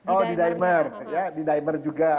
oh d dimer d dimer juga